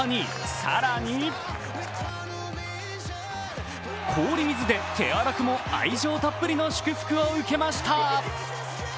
更に氷水で手荒くも愛情たっぷりの祝福を受けました。